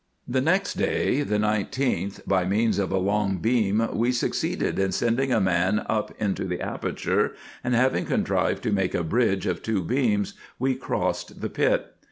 The next day, the 19th, by means of a long beam we succeeded in sending a man up into the aperture, and having contrived to make a bridge of two beams, we crossed the pit.